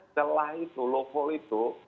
setelah itu low fall itu